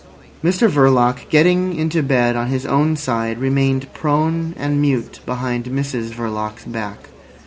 Mr Verloc, getting into bed on his own side, remained prone and mute behind Mrs Verloc's back.